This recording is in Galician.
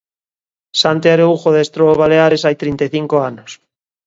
Santi Araújo adestrou o Baleares hai trinta e cinco anos.